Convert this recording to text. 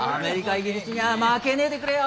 イギリスには負けねえでくれよ！